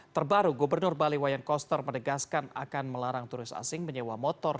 terbaru gubernur bali wayan koster menegaskan akan melarang turis asing menyewa motor